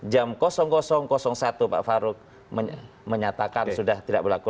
jam satu pak farouk menyatakan sudah tidak berlaku